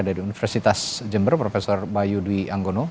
dari universitas jember prof bayu dwi anggono